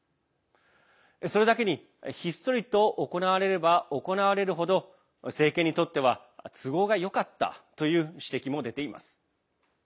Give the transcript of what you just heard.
それだけに、ひっそりと行われれば行われる程政権にとっては都合がよかったという指摘も出ています。